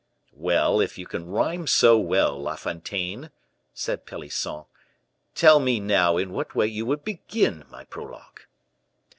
"Well, if you can rhyme so well, La Fontaine," said Pelisson, "tell me now in what way you would begin my prologue?"